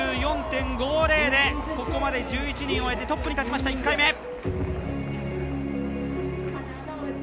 ９４．５０でここまで１１人を終えてトップに立ちました、１回目。